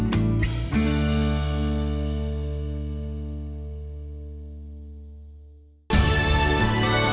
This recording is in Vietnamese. đã cố gắng được